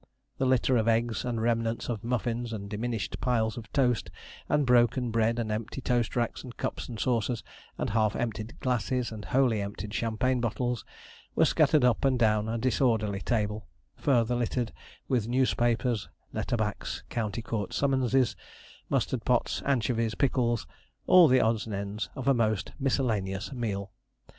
The litter of eggs, and remnants of muffins, and diminished piles of toast, and broken bread and empty toast racks, and cups and saucers, and half emptied glasses, and wholly emptied champagne bottles, were scattered up and down a disorderly table, further littered with newspapers, letter backs, county court summonses, mustard pots, anchovies, pickles all the odds and ends of a most miscellaneous meal.